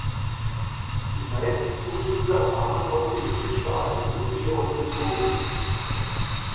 Die meisten Zuzügler kamen aus den Südstaaten sowie aus Missouri.